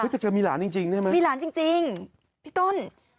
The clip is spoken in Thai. นี่ค่ะมีหลานจริงนี่ไหมมีหลานจริงพี่ต้น